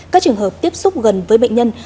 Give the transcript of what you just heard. các trường hợp tiếp xúc gần với bệnh nhân